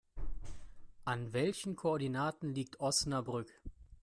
An welchen Koordinaten liegt Osnabrück?